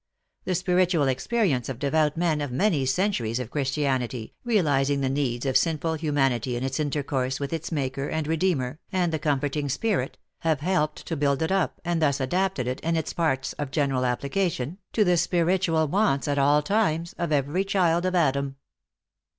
The spiritual experience of devout men of many cen turies of Christianity, realizing the needs of sinful hu manity in its intercourse with its Maker and Re deemer, and the comforting Spirit, have helped to build it up, and thus adapted it, in its parts of general application, to the spiritual wants, at all times, of every child of Adam."